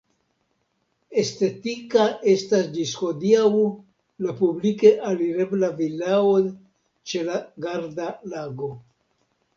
Estetika estas ĝis hodiaŭ la publike alirebla vilao ĉe la Garda-Lago.